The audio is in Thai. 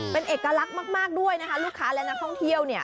เป็นเอกลักษณ์มากด้วยนะคะลูกค้าและนักท่องเที่ยวเนี่ย